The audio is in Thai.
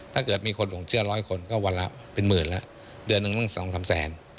ถ้าเกิดมีคนผมเชื่อ๑๐๐คนก็วันละเป็นหมื่นละเดือนนึง๒๓แสน